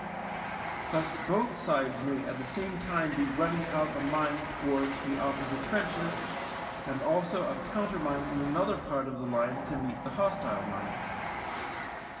Thus both sides may at the same time be running out a mine towards the opposite trenches, and also a countermine in another part of the line to meet the hostile mine.